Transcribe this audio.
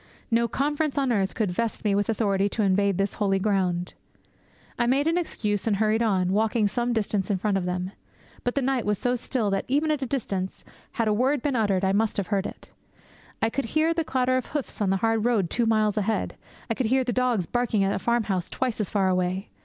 No Conference on earth could vest me with authority to invade this holy ground! I made an excuse, and hurried on, walking some distance in front of them. But the night was so still that, even at that distance, had a word been uttered I must have heard it. I could hear the clatter of hoofs on the hard road two miles ahead. I could hear the dogs barking at a farmhouse twice as far away.